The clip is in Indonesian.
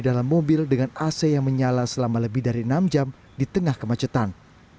dalam mobil dengan ac yang menyala selama lebih dari enam jam di tengah kemacetan